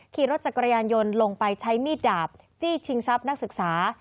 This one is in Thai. ขี่รถจักรยานยนต์ลงไปใช้มีดดาบจี้ชิงทรัพย์นักศึกษา